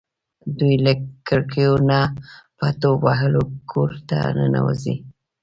دوی له کړکیو نه په ټوپ وهلو کور ته ننوځي.